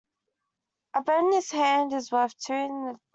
A bird in the hand is worth two in the bush.